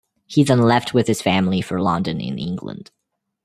He then left with his family for London in England.